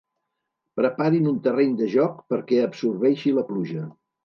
Preparin un terreny de joc perquè absorbeixi la pluja.